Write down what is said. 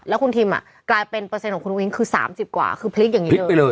แล้วคุณทิมกลายเป็นเปอร์เซ็นของคุณอุ้งคือ๓๐กว่าคือพลิกอย่างนี้เลย